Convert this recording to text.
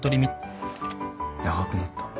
長くなった。